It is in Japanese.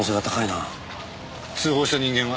通報した人間は？